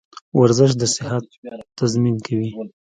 ورزش د صحت تضمین کوي.